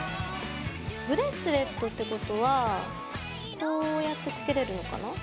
ブレスレットってことはこうやってつけれるのかな？